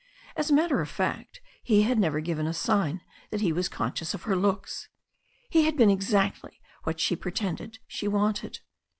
As a matter of fact, he had never given a sign that he was conscious of her looks. He had been exactly what she pre^ tended she wanted.